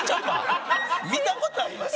見た事あります？